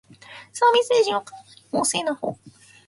サービス精神はかなり旺盛なほう